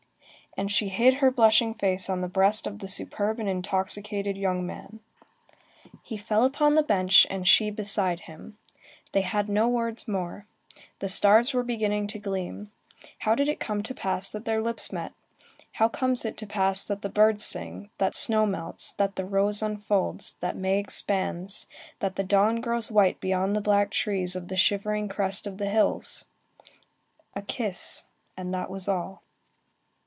And she hid her blushing face on the breast of the superb and intoxicated young man. He fell upon the bench, and she beside him. They had no words more. The stars were beginning to gleam. How did it come to pass that their lips met? How comes it to pass that the birds sing, that snow melts, that the rose unfolds, that May expands, that the dawn grows white behind the black trees on the shivering crest of the hills? A kiss, and that was all.